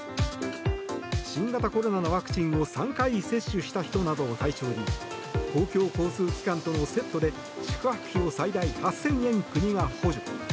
新型コロナのワクチンを３回接種した人などを対象に公共交通機関とのセットで宿泊費を最大８０００円国が補助。